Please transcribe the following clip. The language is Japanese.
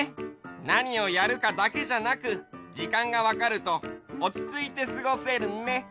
なにをやるかだけじゃなくじかんがわかるとおちついてすごせるね。